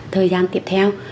thời gian tiếp theo